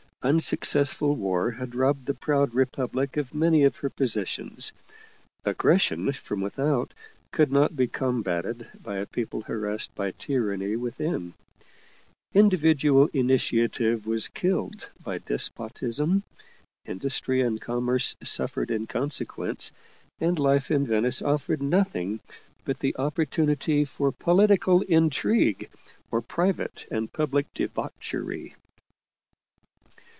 Unsuccessful war had robbed the proud Republic of many of her possessions. Aggression from without could not be combated by a people harassed by tyranny within. Individual initiative was killed by despotism, industry and commerce suffered in conse quence, and life in Venice offered nothing but the opportunity for political intrigue or private and public debauchery.